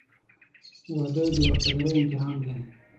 • واده د وفادارۍ امتحان دی.